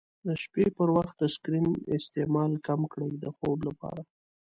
د شپې پر وخت د سکرین استعمال کم کړئ د خوب لپاره.